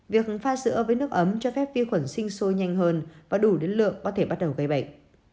việc pha sữa với nước ấm cho phép vi khuẩn sinh sôi nhanh hơn và đủ đến lượng có thể bắt đầu gây bệnh